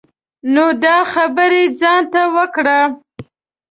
نو دا خبری ځان ته وکړه.